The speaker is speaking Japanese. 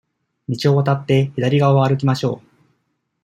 道を渡って、左側を歩きましょう。